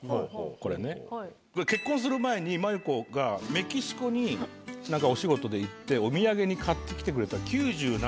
これ結婚する前に万由子がメキシコにお仕事で行ってお土産に買ってきてくれた。